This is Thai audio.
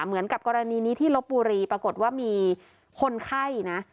เหมือนกับกรณีนี้ที่ลบบุรีปรากฏว่ามีคนไข้นะ